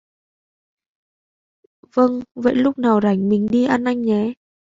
Vâng vậy Lúc nào rảnh mình đi ăn anh nhé